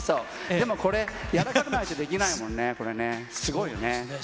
でもこれ、柔らかくないとできないもんね、これね、すごいよね。